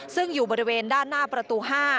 ซึ่งอยู่บริเวณด้านหน้าประตู๕